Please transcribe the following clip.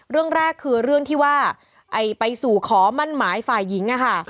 เรื่องแรกคือเรื่องที่ว่าไปสู่ขอมั่นหมายฝ่ายหญิงอะค่ะ